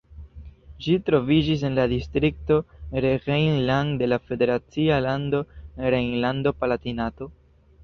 Ĝi troviĝis en la distrikto Rhein-Lahn de la federacia lando Rejnlando-Palatinato.